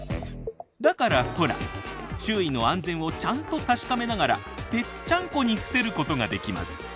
だからほら周囲の安全をちゃんと確かめながらぺっちゃんこに伏せることができます。